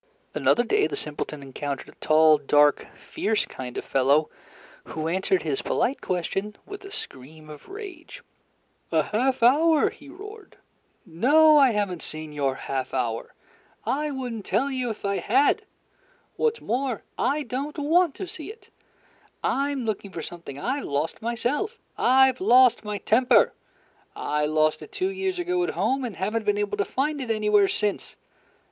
Another day the simpleton encountered a tall, dark, fierce kind of fellow, who answered his polite question with a scream of rage. "A half hour," he roared. "No, I have n't seen your half hour; I would n't tell you if I had; what's more, I don't want to see it. I'm looking for something I've lost myself. I've lost my temper. I lost it two years ago at home, and have n't been able to find it anywhere since.